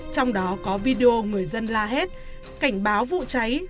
trong đó có video người dân la hét cảnh báo vụ cháy